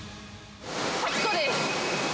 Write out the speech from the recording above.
８個です。